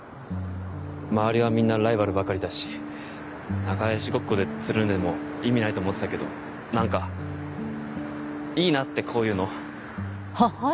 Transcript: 周りはみんなライバルばかりだし仲良しごっこでつるんでも意味ないと思ってたけど何かいいなってこういうの。